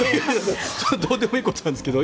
どうでもいいことなんですけど。